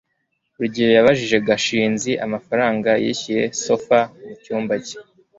rugeyo yabajije gashinzi amafaranga yishyuye sofa mucyumba cye